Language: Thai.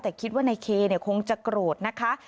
แต่คิดว่านายเคคงจะโกรธนะคะ